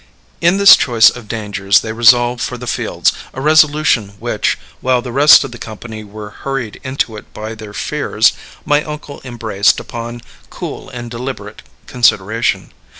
In this choice of dangers they resolved for the fields, a resolution which, while the rest of the company were hurried into it by their fears, my uncle embraced upon cool and deliberate consideration.